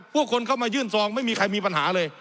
พวกคนเข้ามายื่นซองไม่มีใครมีปัญหาเลย